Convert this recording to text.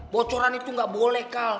bocoran itu gak boleh kal